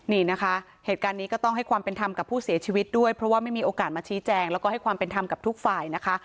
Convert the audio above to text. นี่นะคะเหตุการณ์นี้ก็ต้องให้ความเป็นธรรมกับผู้เสียชีวิตด้วยเพราะว่าไม่มีโอกาสมาชี้แจงแล้วก็ให้ความเป็นธรรมกับทุกฝ่ายนะคะ